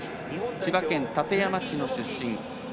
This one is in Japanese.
千葉県館山市の出身。